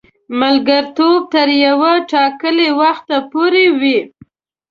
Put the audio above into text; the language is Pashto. ملګرتوب تر یوه ټاکلي وخته پوري وي.